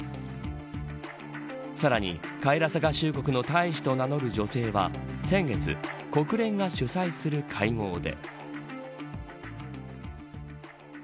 さらにカイラサ合衆国の大使と名乗る女性は、先月国連が主催する会合で。